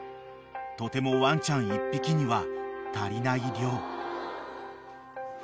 ［とてもワンちゃん１匹には足りない量］